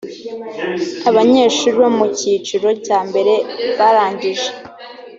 abanyeshuri bo mu cyiciro cya mbere barangije